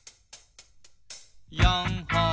「４ほん」